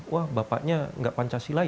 wah bapaknya tidak pancasila